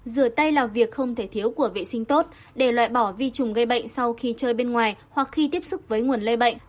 rửa tay là việc không thể thiếu của vệ sinh tốt để loại bỏ vi trùng gây bệnh sau khi chơi bên ngoài hoặc khi tiếp xúc với nguồn lây bệnh